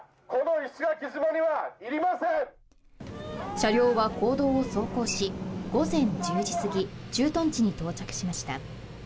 車両は公道を走行し午前１０時過ぎ、駐屯地に到着しました。